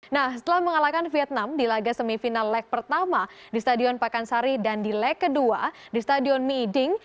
nah setelah mengalahkan vietnam di laga semifinal leg pertama di stadion pakansari dan di leg kedua di stadion miiding